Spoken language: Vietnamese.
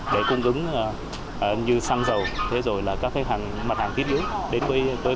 để cung ứng như xăng dầu thế rồi là các mặt hàng thiết yếu đến với bà con